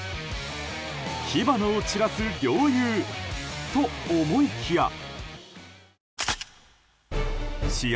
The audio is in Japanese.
火花を散らす両雄と思いきや試合